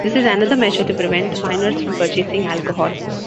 This is another measure to prevent minors from purchasing alcohol.